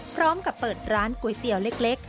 พร้อมกับเปิดร้านก๋วยเตี๋ยวเล็ก